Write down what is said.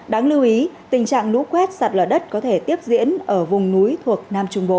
đáng lưu ý tình trạng lũ quét sạt lở đất có thể tiếp diễn ở vùng núi thuộc nam trung bộ